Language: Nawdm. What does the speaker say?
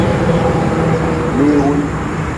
Leewun.